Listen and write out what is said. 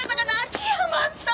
秋山さん